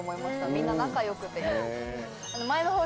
みんな仲良くて。